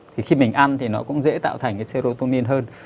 thì khi mình ăn thì nó cũng dễ tạo thành cái seoumin hơn